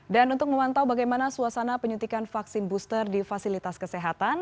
dan untuk memantau bagaimana suasana penyuntikan vaksin booster di fasilitas kesehatan